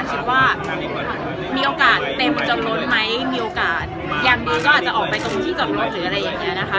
คิดว่ามีโอกาสเต็มจากรถไหมมีโอกาสอย่างดีก็อาจจะออกไปตรงที่จอดรถหรืออะไรอย่างนี้นะคะ